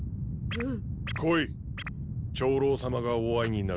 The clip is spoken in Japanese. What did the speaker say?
うん？